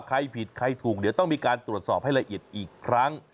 ใครผิดใครถูกเดี๋ยวต้องมีการตรวจสอบให้ละเอียดอีกครั้ง